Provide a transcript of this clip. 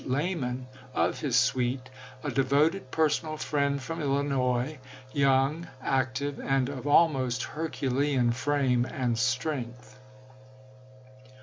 Lamon, of his suite, a devoted personal friend from Illinois — young, active, and of almost herculean frame and strength.